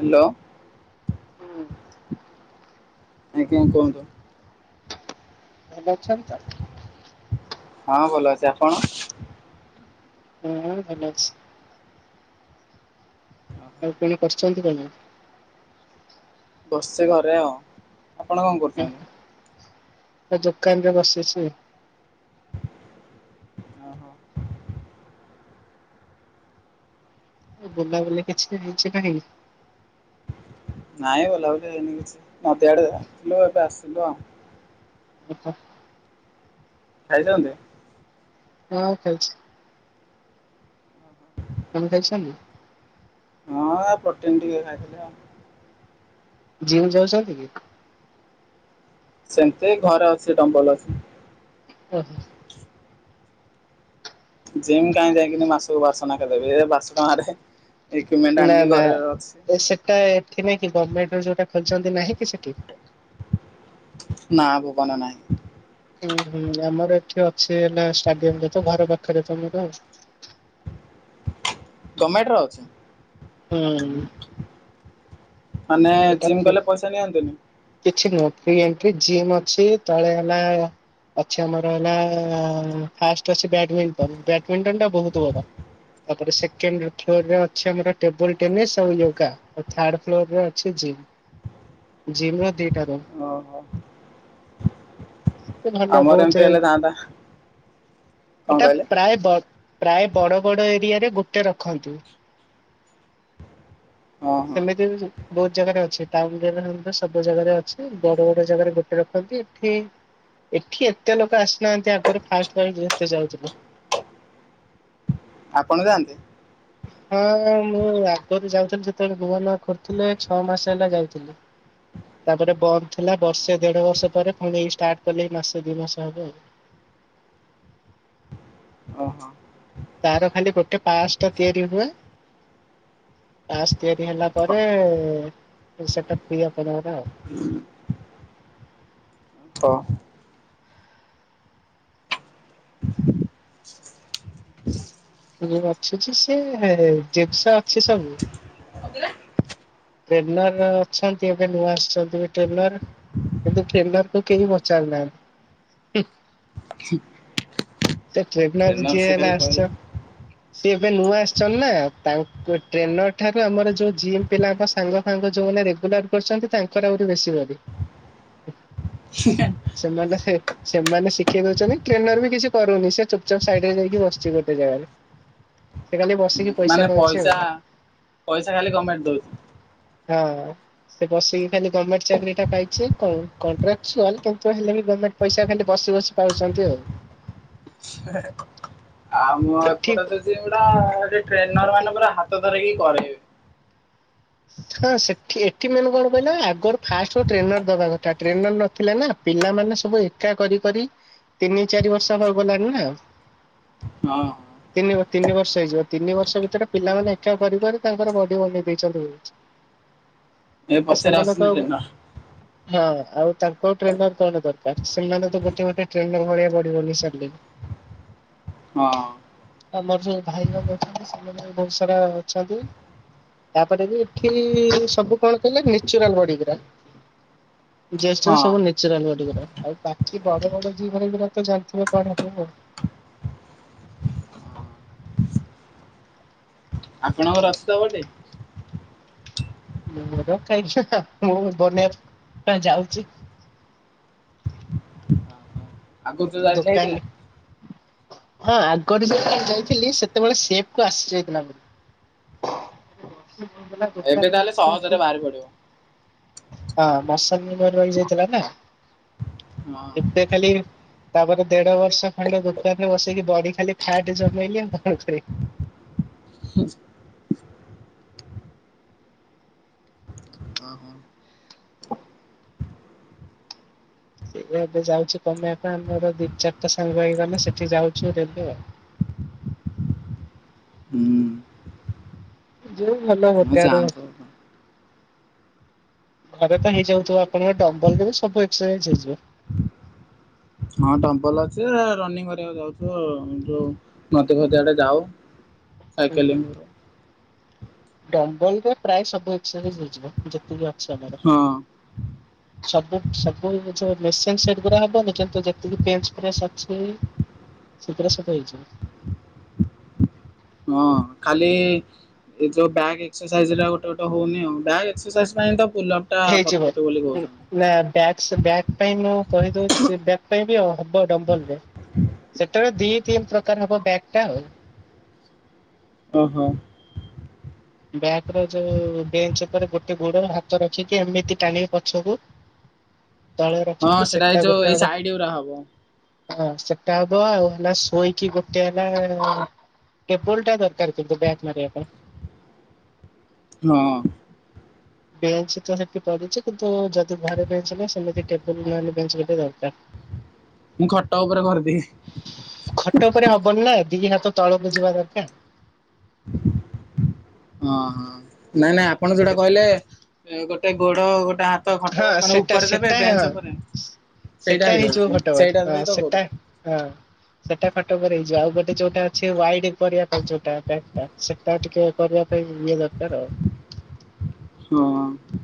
Hello. ହୁଁ। ଆଜ୍ଞା କୁହନ୍ତୁ। ଭଲ ଅଛନ୍ତି ତ? ହଁ ଭଲ ଅଛି ଆପଣ? ହୁଁ ଭଲ ଅଛି। ଆଉ କଣ କରଛନ୍ତି କଣ? ବସଛି ଘରେ ଆଉ ଆପଣ କଣ କରୁଛନ୍ତି? ଏ ଦୋକାନ ରେ ବସିଛି। ଓ ହୋ। ଏ ବୁଲା ବୁଲି କିଛି ହେଇଛି ନା ହେଇନି? ନାଇଁ ବୁଲାବୁଲି ହେଇନି କିଛି ମୁଁ ତ ଇଆଡେ ନଥିଲୁ ଏବେ ଆସିଲୁ ଆଉ। ଆଛା। ଖାଇଥାନ୍ତ ହଁ ଖାଇଛି। ହଁ ହଁ। କେମିତି ଅଛନ୍ତି? ହଁ ପ୍ରୋଟିନ ଟିକେ ଖାଇଥିଲି ଆଉ। ଜିମ ଯାଉଛନ୍ତି କି? ସେମତି ଘରେ ଅଛି ଡମ୍ବଲ ଅଛି। ଓ ହୋ। ଜିମ୍ କାହିଁ ଯାଇକିନି ମାସକୁ ବାର ଶହ ନେକା ଦେବି ହେ ବାର ଶହ ଟାଙ୍କାରେ ଇକ୍ୱିପ୍‌ମେଣ୍ଟ ଆଣିକି ଘରରେ ଅଛି। ଏଠା ଏଠି ନାଇଁ କି ଗଭର୍ଣ୍ଣମେଣ୍ଟ ଯୋଉଟା ଖୋଲିଛନ୍ତି ନାହିଁ କି ସେଠି? ନା ଭୁବନ ନାଇଁ। ହୁଁ ହୁଁ ଆମର ଏଠି ଅଛି ହେଲା ଷ୍ଟାଡିୟମ ରେ ତ ଘର ପାଖରେ ତ ଆମର। ଗମେଣ୍ଟ ର ଅଛି? ହୁଁ ହୁଁ। ମାନେ ଏଟା ଜିମ୍ ଫ୍ରି ଗଲେ ପଇସା ନିଅନ୍ତନି। କିଛି ନଥି ଏମିତି ଜିମ୍ ଅଛି ତଳେ ହେଲା ଅଛି ଆମର ହେଲା ଫାଷ୍ଟ ଅଛି ବ୍ୟାଡମିଣ୍ଟନ ବ୍ୟାଡ଼ ମିଟନ ଟା ବହୁତ ବଡ। ତାପରେ ସେକଣ୍ଡ ଫ୍ଲୋର ରେ ଅଛି ଆମର ଟେବୁଲ ଟେନିସ୍ ଆଉ ଯୋଉ ଥାର୍ଡ ଫ୍ଲୋରରେ ଅଛି ଜିମ୍ ଜିମ ର ଦିଟା ରୁମ୍। ଓହୋ। ଏ ଭଲ ଆମର ଏମିତି ବହୁତ ହେଲେ ହେଇ ଯାଆନ୍ତା କଣ ଏଟା କହିଲେ? ପ୍ରାୟ ଦ ପ୍ରାୟ ବଡ଼ ବଡ଼ ଏରିଆରେ ଗୋଟେ ରଖନ୍ତି। ଓହୋ ସେମିତି ବି ବହୁତ ଜାଗାରେ ଅଛି ଟାଉନ୍ ଊରା କରେ ମଧ୍ଯ ସବୁ ଜାଗାରେ ଅଛି ବଡ ବଡ ଜାଗାରେ ଗୋଟେ ରଖନ୍ତି ଏଠି ଏଠି ଏତେ ଲୋକ ଆସିନାହାନ୍ତି ଆଗରେ ଫାଷ୍ଟ ଫା ଯେତେ ଯାଉଥିଲେ। ଆପଣ ଯାଆନ୍ତି। ହଁ ମୁଁ ଆଗରୁ ଯାଉଥିଲି ଯେତେବେଳେ ନୂଆ ନୂଆ ଖୋଲଥିଲେ ଛଅ ମାସ ହେଲା ଯାଉଥିଲି। ତାପରେ ବନ୍ଦ ଥିଲା ବର୍ଷେ ଓହୋ ଦେଢ ବର୍ଷ ପରେ ପୁଣି ଏଇ ଷ୍ଟାର୍ଟ କଲି ମାସେ ଦି ମାସ ହବ ଆଉ। ଓ ହୋ। ତାର ଖାଲି ଗୋଟେ ପାସ୍ ଟା ତିଆରି ହୁଏ। ପାସ୍ ତିଆରି ହେଲା ପରେ ଓହୋ ସେଟା [unintelligible] [inaudible] ତ ମୁ ଅଛି ସେ ଯେସା ଅଛି ସବୁ। ଟ୍ରେନର ଅଛନ୍ତି ଏବେ ନୂଆ ଆସିଛନ୍ତି ଏବେ ଟ୍ରେନର। କିନ୍ତୁ ଟ୍ରେନର କୁ କେହି ପଚାରୁନାହାନ୍ତି। ତ ଟ୍ରେନର ଯିଏ ସେ ହେଲା ଖାଲି ଆସଚ କହିବ ସିଏ ଏବେ ନୂଆ ଆସିଛନ୍ତି ନା ତାଙ୍କ ଟ୍ରେନର ଠାରୁ ଆମର ଯୋଉ ଜିମ୍ ପିଲାଙ୍କ ସାଙ୍ଗ ଫାଙ୍ଗ ଯୋଉମାନେ ରେଗୁଲାର କରୁଛନ୍ତି ତାଙ୍କର ଆହୁରି ବେଶୀ ବଡି। [inaudible] ସେମାନେ ସେ ସେମାନେ ଶିଖେଇ ଦଉଛନ୍ତି ଟ୍ରେନର ବି କିଛି କରୁନି ସେ ଚୁପଚାପ ସାଇଡ ରେ ଯାଇକି ବସିଛି ଗୋଟେ ଜାଗାରେ ସେ ଖାଲି ବସି ମାନେ ପଇସା ପଇସା ଖାଲି ଗମେଣ୍ଟ ଦଉଛି। ହଁ। ସେ ବସିକି ଖାଲି ଗମେଣ୍ଟ ଚାକିରିଟା ପାଇଚି କ କଣ୍ଟ୍ରାକଚୁଆଲ୍ କିନ୍ତୁ ହେଲେ ବି ଗମେ ପଇସା ଖାଲି ବସି ବସି ପାଉଛନ୍ତି ଆଉ। ଆମ ଏଠି ଏପଟେ ତ ଯିମ୍ ଗୁଡ଼ା ଟ୍ରେନର ମାନେ ପୁରା ହାତ ଧରିକି କରେଇବେ। ହଁ ସେଠି ଏଠି ମାନେ କଣ କହିଲ ଆଗରୁ ଫାଷ୍ଟ ଟ୍ରେନର ଦବା କଥା ଟ୍ରେନର ନଥିଲେ ନା। ପିଲାମାନେ ସବୁ ଏକା କରି କରି ତିନି ଚାରି ବର୍ଷ ହବାକୁ ଗଲାଣି ନା ହଁ। ତିନି ବ ତିନି ବର୍ଷ ହେଇଯିବ ତିନି ବର୍ଷ ଭିତରେ ପିଲାମାନେ ଏକା କରି କରି ତାଙ୍କର ବଡି ବନେଇ ଦେଇଛନ୍ତି ବି। ଏ ଆ ପଛରେ ଆସୁଛନ୍ତି ସେମାନଙ୍କୁ ଆଉ ଟ୍ରେନର ହଁ ଆଉ ତାଙ୍କୁ ଆଉ ଟ୍ରେନର କଣ ଦରକାର ଫାସ ସେମାନେ ତ ଗୋଟେ ଗୋଟେ ଟ୍ରେନର ଭଳିଆ ବଡି ବନେଇ ସାରିଲେଣି। ହଁ। ଆମର ସେ ଭାଇ ଜଣ ଅଛନ୍ତି ସେମାନେ ବହୁତ ସାରା ଅଛନ୍ତି ତାପରେ ବି ଏଠି ସବୁ କଣ କଲେ ନେଚୁରାଲ ବଡିି ଗୁରା ଯେତିକ ହଁ ସବୁ ନେ ଚୁରାଲ ବଡି ଗୁରା ଆଉ ବାକି ବଡ ବଡ ଜିମ ଗୁରା ଯୋଉ ଜାଣିଥିବେ କଣ ହବ ଆଉ। ଆପଣଙ୍କର ଅଛି ତ ବଡି। ମୋର କାଇଁ ଛୋଟ ମୁଁ ବନେଇବା ପାଇଁ ଯାଉଚି। ଆଗରୁ ଯୋଉ ଯାଇଥିଲେ ଦୋକାନ ହେଇଥିଲା ରେ। ହଁ ଆଗରୁ ଯେଳେ ଯାଇଥିଲି ସେତେବେଳେ ସେଫ କୁ ଆସି ଯାଇଥିଲା ମୋର। ଏବେ ତାହେଲେ ସହଜରେ ବାହାରି ପଡିବ ହଁ। [unintelligible] ହଁ ମସନି ରେରହି ଯାଇଥିଲା ନା ଏବେ ଖାଲି ତାପରେ ଦେଢ ବର୍ଷ ଖଣ୍ଡେ ଦୋକାନ ରେ ବସେଇକି ବଡି ଖାଲି ଫାଟ ଜମେଇଲି ହ ହୋ ସେ ଏବେ ଯାଉଛି କମେଇବା ପାଇଁ ଆମର ଦି ଚାରିଟା ସାଙ୍ଗ ହେଇଁ ଗଲେ ସେଠି ଯାଉଛୁ ରେ ଆଉ ଯୋଉ ଭଲ ହୁଁ ହୋଟାଡା ଯାଆନ୍ତୁ ଉଁ- ଘରେ ତ ହେଇଯାଉଥିବ, ଆପଣଙ୍କ ଡବଂଲ୍ ତ ସବୁ ଏକ୍ରଜ୍ ହେଇଯିବ। ହଁ ଟମ୍ପଲ୍ ଅଚି ରେ ରନିଂ କରିଆକୁ ଯାଉଥିବ ଆଉ। ଯୋଉ- ନଦି ଖତି ଆଡେ ଯାଉ। ଓୁ ହୁଁ ସାଇକେଲିଂ ଡବଲ୍ ରେ ପ୍ରାୟ [unintelligible] ହେଇଯିବେ। ଯେତିକି- ଛମାର। ହଁ ସବୁ ସବୁ ମେସିନ୍ ସେଟ୍ ଗୁରା ହବନି। କିନ୍ତୁ ଯେତିକି ପେନ୍ସ ଫେନ୍ ସି ଅଛି। ଛିତ୍ରା ସଫା ହେଇଚି। ହଁ କାଲି ଏ ଯୋଉ ବ୍ୟାଗ୍ ଏକ୍ସରସାଇଜ ହେଲା ଗୋଟେ ଗୋଟ ହଉନି ଆଉ। ବ୍ବ୍ୟାଗ୍ ଏକ୍ସରସାଇଜ କଣ ତ ପୁଲନ୍- ହେଇଯିବ ହୁ। ନାଁ ବ୍ୟାକ୍ସ ବ୍ୟାକ୍ ପାଇଁ ମୁଁ କହିଦଉଛି ବ୍ୟାକ୍ ପାଇଁ ବି ଆଉ ହବ ଡମ୍ବଲରେ। ଯେତେବେଳେ ଦି ତିନ୍ ପ୍ରକାର ହବ ବ୍ୟାକ୍ ଟା ଆଉ। ଅ ହଁ। ବ୍ୟାକ୍ ର ଯୋଉ ବେଞ୍ଚ୍ ଉପରେ ଗୋଟେ ଗୋଡ ହାତ ରଖିକି ଏମିତି ଟାଣିକି ପଛକୁ- ତଳେ ହଁ ରଖିକି ଏଇ ସେଟା ଯୋଉ ଗୋଟେ ଏଇ ହବ- ସାଇଡ ଗୁରା ହବ ହଁ ସେଟା ହବ। ଆଉ ହେଲା ଶୋଇକି ଗୋଟେ ହେଲା ଟେବୁଲଟା ଦରକାର କିନ୍ତୁ ଵ୍ୟାକ୍ ମାରିବା ପାଇଁ। ନହଁ। ବେଞ୍ଚ ତ ସେଠି ପଡିଚି, କିନ୍ତୁ ଯଦି ଘରେ ବେଞ୍ଚ ହେଲା, ସେମିତି ଟେବୁଲ ନହଲେ ବେଞ୍ଚ ଗୋଟେ ଦରକାର। [inaudible] ମୁଁ ଖଟ ଉପରେ କରିଦିିଏ। ଖଟ ଉପରେ ହବନି ନା, ଦିି ହାତ ତଳକୁ ଯିବା ଦରକାର। ଅଁ ହଁ ନାଇଁ ନାଇଁ ଆପଣ ଯୋଉଟା କହିଲେ ଗୋଟେ ଗୋଡ ଗୋଟେ ହାତ୍- ତ ଖଟ ହଁ ମାନେ ସେଟା ଉପରେ ଦେବେ ସେଟା ହଁ। ବେଞ୍ଚ ଉପରେ ସେଟା ସେଇଟା ହେଇଯିବ ହେଇଯାଉଛି। ଖଟ ଉପରେ ସେଇଟାକୁ ହଁ ହିଁ ତ ସେଟା କରୁ- ହଁ ସେଟା ଖଟ ଉପରେ ହେଇଯିବ। ଆଉ ଗୋଟେ ଯୋଉଟା ଅଛି ୱାଇଡ୍ କରିବା ପାଇଁ ଯୋଉଟା ବାକ୍ ଟା। ସେ- ଆ ଟିକେ କରିବା ପାଇଁ ଇଏ ଦରକାର ଆଉ। ହଁ।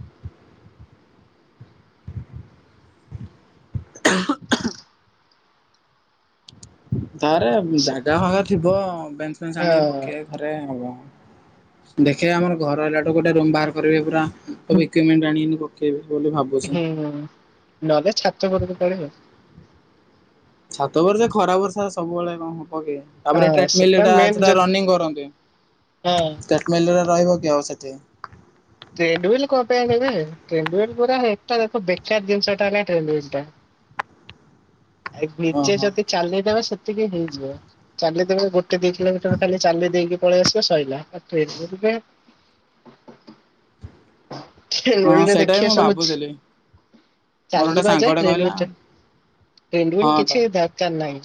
ତାର ଜାଗା ଫାଗା ଥିବ ବେଞ୍ଚ ଫେଞ୍ଚ ଆଣିକି ହଁ ପକେଇବା ପାଇଁ ଘରେ ହବ। [inaudible] ଦେଖିଆ ଆମ ଘର ହେଲାଠୁ ଗୋଟେ ରୁମ ବାହାର କରିବି ପୁରା, ସବୁ ଇକ୍ୟୁମେଣ୍ଟ ଆଣିକିଣି ପକେଇବି ବୋଲି ଭାବୁ- ହୁଁ ହୁଁ। ନହେଲେ ଛାତ ଉପରକୁ ପଳେଇବ ଆଉ। ଛାତ ଉପରେ ସେ ଖରା ବର୍ଷା ସବୁବେଳେ କଣ ହବ କି? ତାପରେ ହଁ ଟ୍ରେଟ୍ ମିଲ୍ ସେଟା ଟା ମେନ୍ ସେଟା ଯଦି ରନିଂ କରନ୍ତି। ହଁ ଟ୍ରେଟ୍ ମିଲ୍ ଟା ରହିବ କି ଆଉ ସେଠି? ଟ୍ରେଣ୍ଡ୍ ହୁଇଲ୍ କ ପାଇଁ ଦରକାର କି ଟ୍ରେଣ୍ଡ ହୁଇଲ୍ ପୁରା ହୋଟା ତାକୁ ଦେଖେଆ ଜିନିଷ ଟା ହେଲା ଟ୍ରେଣ୍ଡ୍ ହୁଇଲ୍ ଟା। ଏଇକ୍ ନିଜେ ଓହୋ ଯଦି ଚାଲିବା ସେତିକି ହେଇଯିବ। ଚାଲିଦେବେ ଗୋଟେ ଦି କିଲୋମିଟର ଖାଲି ଚାଲି ଦେଇକି ପଳେଇ ଆସିବ ସଇଲା। ଆଉ ଟ୍ରେଡ୍ ହୁଇଲ କଣ- ଖେଳିବା ହଁ ବି ସେଇଟା କଣ ଦେଖିବା ମୁଁ ଭାବୁଥିଲି ସବୁକିଛି। ମୋର ଗୋଟେ ଚାଲିଯିବା ଯା ସାଙ୍ଗଟେ ଟ୍ରେଣ୍ଡ୍ କହିଲା ହୁଇଲ୍ ତା ଟ୍ରେଣ୍ଡ୍ ହୁଇଲ୍ ହଁ ତ କିଛି ବି ଦରକାର ନାହିଁ।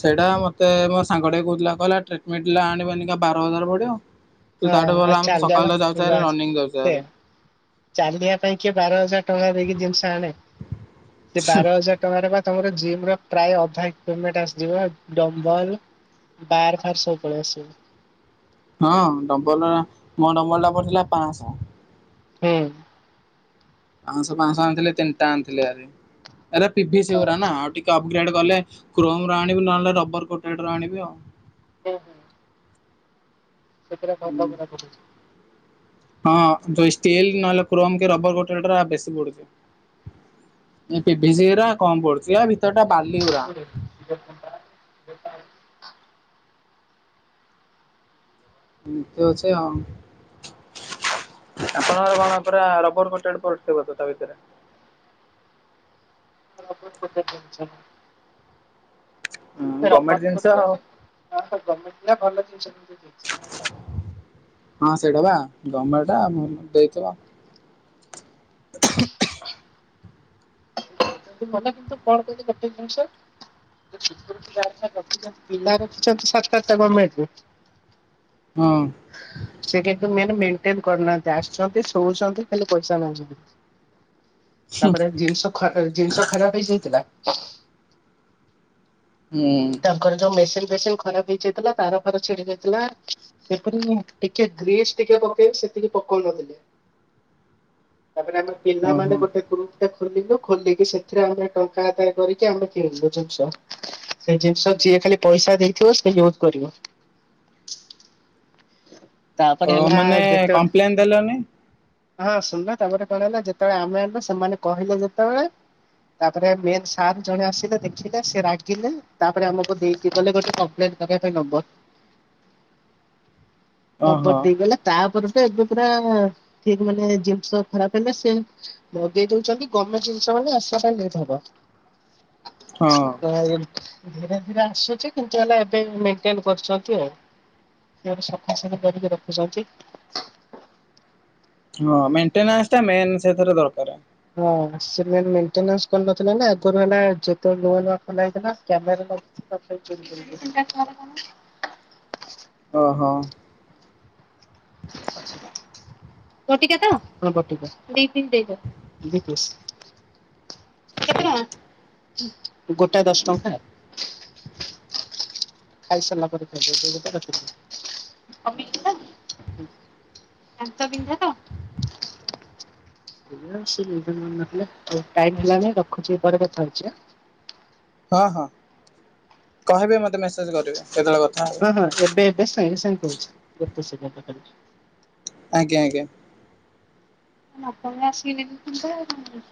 ସେଇଟା ମତେ ମୋ ସାଙ୍ଗ ଟେ କହୁଥିଲା। କହିଲା ଟ୍ରିଟମେଣ୍ଟଲା ଆଣିବ ଏନିକା ବାର ହଜାର ପଡିବ। ତୁ ହଁ ତାଠୁ ତ ଆଉ ଭଲ ଆମେ ଚାଲିବା ସକାଳୁ ତ ଯାଉଛ ଆରି ବାସ୍ ରନିଂ ଯାଉଚ ସେୟା ହାରି ଚାଲିବା ପାଇଁ କିଏ ବାର ହଜାର ଟଙ୍କା ଦେଇକି ଜିନିଷ ଆଣେ? ସେ ବାର ହଜାର୍- ତମର ବା ତମର ଜିମ୍ ର ପ୍ରାୟ ଅଧା [unintelligible] ଆସିିଯିବ ଡମ୍ବଲ୍- ବାର ଫାର ସବୁ ପଳେଇ ଆସିବ। ହଁ ଡମ୍ବଲ ମୋ ଡମ୍ବଲ ଟା ପଡିଥିଲା ପାଆଁଶ। ହୁଁ। ପାଁଶହ ପାଁଶହ ଆଣିଥିଲେ ତିନିଟା ଆଣିଥିଲେ ଆରେ ଏରା ପିଭିିସିଗୁରା ହୁଁ ନା ଆଉ ଟିକ୍ ଟିକେ ଅପଗ୍ରେଡ ଗଲେ କ୍ରୋମର ଆଣିବି ନହେଲେ ରବର କୋଟେଡ୍ ର ଆଣିବି ଆଉ। ଉଁ ହୁଁ। ସେଥିରେ ଭଲଗୁରା ପକେଇଛି। ହଁ ଯୋଉ ଷ୍ଟିଲ୍ ନହେଲେ କ୍ରୋମ କି ରବର କୋଟେଡ ଗୁରା ବେଶୀ ବଡୁଛି। ଏ ପିଭିସି ଗୁଡା କମ ପଡୁଛି ୟା ଭି ?????????? ଏମତି ଅଛି ଆଉ। ଆପଣଙ୍କର କଣ ପୁରା ରବର କୋଟେଡ ପଡିଥିବ ତ ତା ଭିତରେ [unintelligible] ହୁଁ ସେ ଗମେଣ୍ଟ ରବର ଜିନିଷ ଆଉ କୋଟେଡ ତାର ସବୁ ଗମେଣ୍ଟଗୁଡା ଭଲ ଜିନିଷ [unintelligible] ଦେଇଛି [unintelligible] ହଁ ସେଇଟା ବା ଗମେଣ୍ଟ ଆମକୁ ଦେଇଥିଲା। ଉହୁଁ -ଉହୁଁ - [unintelligible] କିନ୍ତୁ କଣ କହିଲେ ଗୋଟେ ଜିନିଷ ପିଲା ରଖିଛନ୍ତି ସାତ ଆଠଟା ଗମେଣ୍ଟରେ ହଁ। ସେ [unintelligible] ମେନେ ମେଣ୍ଟେନ କରୁନାହାନ୍ତି ଆସୁଛନ୍ତି ଶୋଉଛନ୍ତି ଖାଲି ପଇସା ନଉଛନ୍ତି। ତାପରେ ଜିନିଷ ଖ ଅ ଖରାପ ଜିନିଷ ଖରାପ ହେଇଯାଇଥିଲା ହୁଁ ତାଙ୍କର ଯୋଉ ମେସିନ ଫେସିନ ଖରାପ ହେଇଯାଇଥିଲା ତାର ଫାର ଛିଡି ଯାଇଥିଲା ସେଥିରେ ମୁଁ ଟିକେ ଗ୍ରୀସ ଟିକେ ପକେଇବି ସେତିକି ପକଉନଥିଲେ। ତାପରେ ଆମ ଓହୋ ପିଲାମାନେ ଗୋଟେ ଗ୍ରୁପ ଟା ଖୋଲିଲୁ ଖୋଲିକି ସେଥିରେ ଆମେ ଟଙ୍କା ଆଦାୟ କରିକି ଆମେ କିଣିଲୁ ଜିନିଷ। ସେଇ ଜିନିଷ ଯିଏ ଖାଲି ପଇସା ଦେଇଥିବ ସେ ୟୁଜ୍ କରିବ। ଓ ତାପରେ ହେଲା ମାନେ ଯେତ କମ୍ପ୍ଲେନ ଦେଲନି ହଁ ଶୁଣନ ତାପରେ କଣ ହେଲା ଯେତେବେଳେ ଆମେ ଆଣିଲୁ ସେମାନେ କହିଲେ ଯେତେବେଳେ- ତାପରେ ମେନ ସାର୍ ଜଣେ ଆସିଲେ ଦେଖିଲେ ସେ ରାଗିଲେ ତାପରେ ଆମକୁ ଦେଇକି ଗଲେ ଗୋଟେ କମ୍ପ୍ଲେନ କରିବା ପାଇଁ ନମ୍ବର ଓହୋ। ନମ୍ବର ଦେଇଗଲା ତାପରେ ତ ଏବେ ପୁରା ଅ ଠିକ ମାନେ ଜିନିଷ ଖରାପ ହେଲେ ସେ ଲଦେଇ ଦଉଛନ୍ତି ଗମେଣ୍ଟ ଜିନିଷ ମାନେ ଆସିବା ପାଇଁ ଲେଟହେବ। ହଁ ଆ [unintelligible] ଧିରେ ଧିରେ ଆସୁଛି କିନ୍ତୁ ଆମେ ଏବେ ଏବେ ମେଣ୍ଟେନ କରୁଛନ୍ତି ଆଉ [unintelligible] ଆସନ କରିକି ରଖୁଛନ୍ତି। ହଁ ମେଣ୍ଟେନାଶଟା ମେନ ସେଥିରେ ଦରକାରେ। ହଁ ସିଏ ମେନ ମେଣ୍ଟେନାନ୍ସ କରିନଥିଲା ନା ଆଗରୁ ହେଲା ଯେତେବେଳେ ନୂଆ ନୂଆ ଖୋଲା ହେଇଥିଲା କ୍ୟାମେରା ନ [unintelligible] ଅ ହଁ ଅଛି ବା ବଟିକା ତ! ହଁ ବଟିକା ଦିଇ ପିସ ଦେଇଦିଅ ଦି ପିସ୍? କେତେ ଟଙ୍କା? ଗୋଟା ଦଶ ଟଙ୍କା ଆଉ। ଖାଇ ସାରିଲା ପରେ ଖାଇବେ ଏବେ ଗୋଟେ ରାତିରେ ଗୋଟେ। ଦାନ୍ତ ବିନ୍ଧାର? [unintelligible] ମନେ ନ ଥିଲା ହଉ ଟାଇମ ହେଲାଣି ରଖୁଛି ପରେ କଥାହଉଛି ଆଁ। ହଁ ହଁ କହିବେ ମତେ ମେସେଜ କରିବେ କେତେବେଳେ କ ହଁ ହଁ ଏବେ ଏବେ ସାଙ୍ଗେ ସାଙ୍ଗେ କହୁଛି ଗୋଟେ ସେକେଣ୍ଡରେ କହୁଛି। ଆଜ୍ଞା ଆଜ୍ଞା। [unintelligible] ଆପଣ ଆସିକି ନେଇକି ଯିବେ ଆଉ [unintelligible]